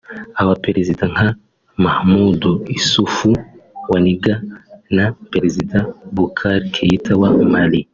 Abaperezida nka Mahamadou Issoufou wa Niger na Perezida Boubacar Keita wa Mali